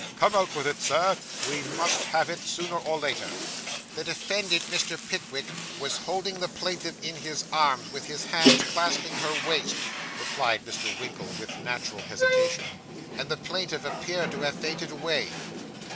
Come; out with it, Sir; we must have it, sooner or later.' 'The defendant, Mr. Pickwick, was holding the plaintiff in his arms, with his hands clasping her waist,' replied Mr. Winkle with natural hesitation, 'and the plaintiff appeared to have fainted away.